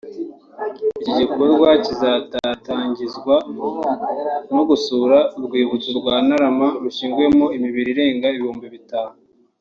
Iki gikorwa kizatatangizwa no gusura urwibutso rwa Ntarama rushyinguyemo imibiri irenga ibihumbi bitanu